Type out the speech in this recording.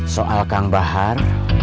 soal kang bahar